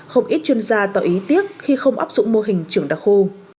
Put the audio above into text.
không ít chuyên gia tỏ ý tiếc khi không áp dụng mô hình trường đặc khu